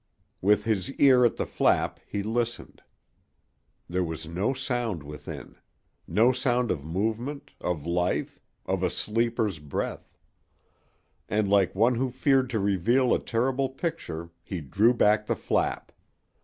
With his ear at the flap he listened. There was no sound within no sound of movement, of life, of a sleeper's breath; and like one who feared to reveal a terrible picture he drew back the flap.